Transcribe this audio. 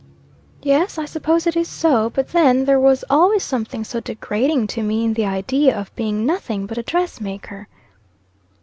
"Yes, I suppose it is so. But then there was always something so degrading to me in the idea of being nothing but a dress maker!"